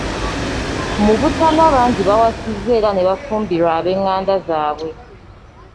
Mu butanwa bangi bawasiza era ne bafumbirwa ab'enganda zaabwe.